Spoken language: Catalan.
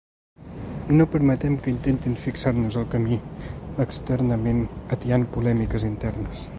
No permetem que intentin fixar-nos el camí externament atiant polèmiques internes.